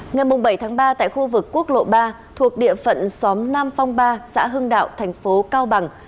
ngày bảy tháng ba tại khu vực quốc lộ ba thuộc địa phận xóm nam phong ba xã hưng đạo thành phố cao bằng